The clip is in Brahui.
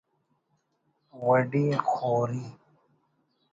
وڈی خوری